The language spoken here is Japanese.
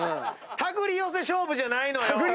手繰り寄せ勝負じゃないのよ。